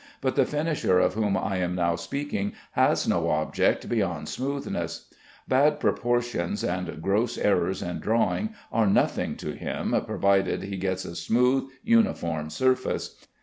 But the finisher of whom I am now speaking has no object, beyond smoothness. Bad proportions and gross errors in drawing are nothing to him provided he gets a smooth, uniform surface.